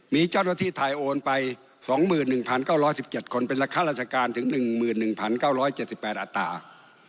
มีเจ้าหน้าที่ไทยโอนไป๒๑๙๑๗คนเป็นราคาราชการถึง๑๑๙๗๘อัตรา